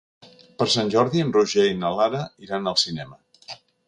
Per Sant Jordi en Roger i na Lara iran al cinema.